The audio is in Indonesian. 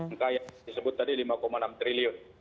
angka yang disebut tadi lima enam triliun